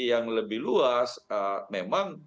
yang lebih luas memang